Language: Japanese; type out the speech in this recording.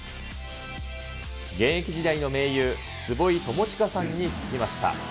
現役時代の盟友、坪井智哉さんに聞きました。